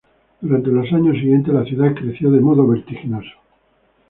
Durante los años siguientes la ciudad creció de modo vertiginoso.